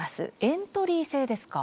エントリー制ですか？